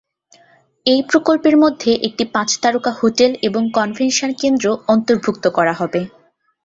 এই প্রকল্পের মধ্যে একটি পাঁচ তারকা হোটেল এবং কনভেনশন কেন্দ্র অন্তর্ভুক্ত করা হবে।